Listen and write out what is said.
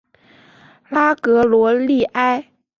拉格罗利埃。